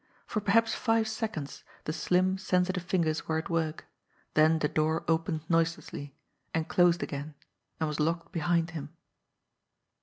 For perhaps five seconds the slim, sensitive fingers were at work, then the door opened noise lessly, and closed again, and was locked behind him.